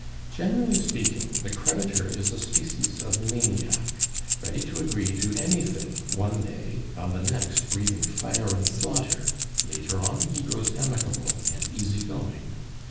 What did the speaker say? Generally speaking, the creditor is a species of maniac, ready to agree to anything one day, on the next breathing fire and slaughter; later on, he grows amicable and easy going.